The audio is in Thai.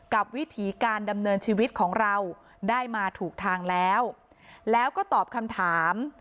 วิถีการดำเนินชีวิตของเราได้มาถูกทางแล้วแล้วก็ตอบคำถาม